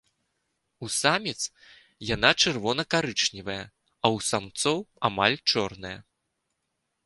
У саміц яна чырвона-карычневая, а ў самцоў амаль чорная.